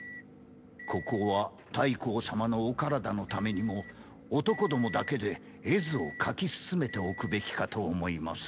ここは太后様のお身体のためにも男共だけで絵図を描き進めておくべきかと思います。